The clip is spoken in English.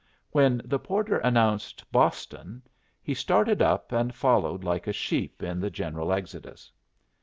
When the porter announced "Boston," he started up and followed like a sheep in the general exodus.